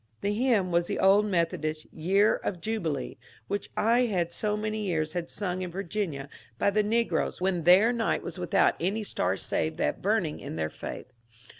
The hymn was the old Methodist *^ Year of Jubilee," which I had so many years heard sung in Virginia by the negroes when their night was without any star save that burning in their faith.